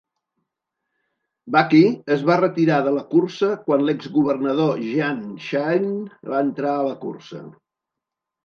Buckey es va retirar de la cursa quan l'ex governador Jeanne Shaheen va entrar a la cursa.